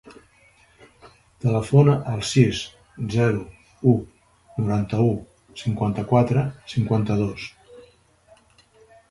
Telefona al sis, zero, u, noranta-u, cinquanta-quatre, cinquanta-dos.